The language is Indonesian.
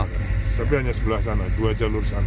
tapi hanya sebelah sana dua jalur sana